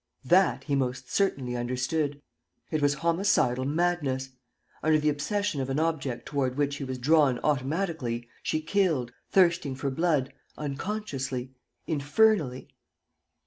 That he most certainly understood! It was homicidal madness. Under the obsession of an object toward which she was drawn automatically, she killed, thirsting for blood, unconsciously, infernally.